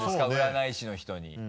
占い師の人に。